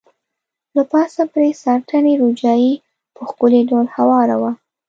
له پاسه پرې ساټني روجايي په ښکلي ډول هواره وه.